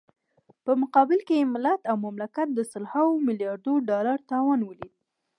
په مقابل کې يې ملت او مملکت د سلهاوو ملیاردو ډالرو تاوان وليد.